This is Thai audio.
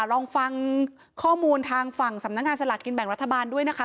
ลองฟังข้อมูลทางฝั่งสำนักงานสลากกินแบ่งรัฐบาลด้วยนะคะ